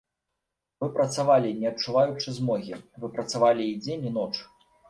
Вы працавалі, не адчуваючы змогі, вы працавалі і дзень і ноч.